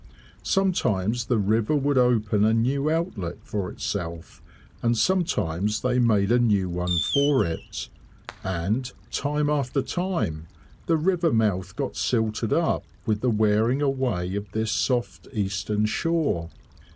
Sometimes the river would open a new outlet for itself, and sometimes they made a new one for it; and, time after time, the river mouth got silted up with the wearing away of this soft eastern shore.